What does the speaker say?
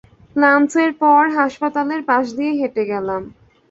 লাঞ্চের পর, হাসপাতালের পাশ দিয়ে হেঁটে গেলাম।